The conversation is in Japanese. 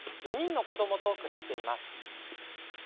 ４人の子どもと暮らしています。